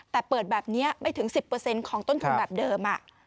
แต่เปิดแบบนี้ไม่ถึง๑๐ของต้นทุนแบบเดิม